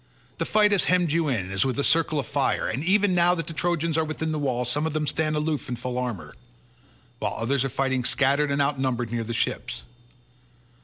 The fight has hemmed you in as with a circle of fire, and even now that the Trojans are within the wall some of them stand aloof in full armour, while others are fighting scattered and outnumbered near the ships.